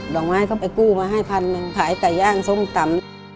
อกไม้ก็ไปกู้มาให้พันหนึ่งขายไก่ย่างส้มตำ